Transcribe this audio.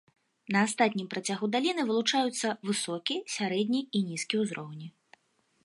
На астатнім працягу даліны вылучаюцца высокі, сярэдні і нізкі ўзроўні.